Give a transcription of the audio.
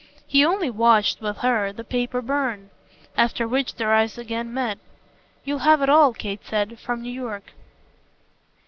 He only watched, with her, the paper burn; after which their eyes again met. "You'll have it all," Kate said, "from New York."